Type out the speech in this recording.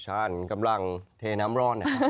ช่างำลังเทน้ำร้อน